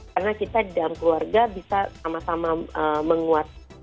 karena kita di dalam keluarga bisa sama sama menguat